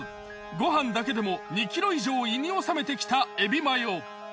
ご飯だけでも２ｋｇ以上胃に収めてきたえびまよ。